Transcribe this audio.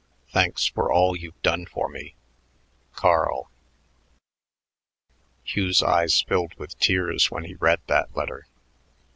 Thanks for all you've done for me. CARL. Hugh's eyes filled with tears when he read that letter.